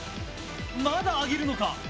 まだ揚げるのか！